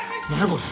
これ。